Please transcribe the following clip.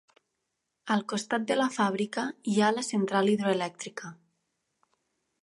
Al costat de la fàbrica hi ha la central hidroelèctrica.